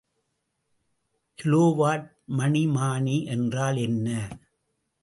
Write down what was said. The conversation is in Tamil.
கிலோவாட் மணிமானி என்றால் என்ன?